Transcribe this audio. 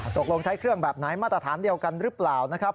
ตกลงใช้เครื่องแบบไหนมาตรฐานเดียวกันหรือเปล่านะครับ